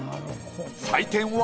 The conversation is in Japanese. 採点は。